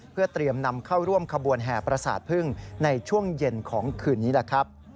เพื่อเตรียมนำเข้าร่วมขบวนแห่ประสาทพึ่งในช่วงเย็นของคืนนี้แหละครับ